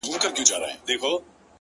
مــروره در څه نـه يمـه ه ـ